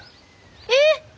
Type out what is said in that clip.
えっ！？